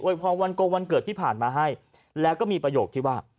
วันโกงวันเกิดที่ผ่านมาให้แล้วก็มีประโยคที่ว่า